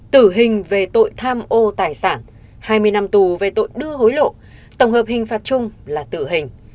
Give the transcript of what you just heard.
tử hình về tội tham ô tài sản hai mươi năm tù về tội đưa hối lộ tổng hợp hình phạt chung là tử hình